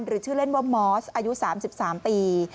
หรือชื่อเล่นว่ามอสอายุ๓๓ปี